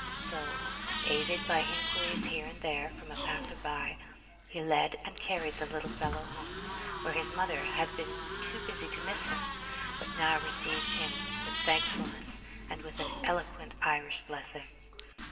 So, aided by inquiries here and there from a passer by, he led and carried the little fellow home, where his mother had been too busy to miss him, but now received him with thankfulness, and with an eloquent Irish blessing.